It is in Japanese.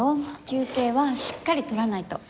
休憩はしっかり取らないと。